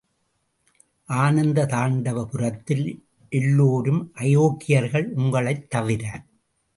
ஆனந்த தாண்டவபுரத்தில் எல்லோரும் அயோக்கியர்கள், உங்களைத் தவிர.